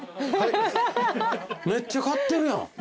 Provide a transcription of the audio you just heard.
めっちゃ買ってるやん。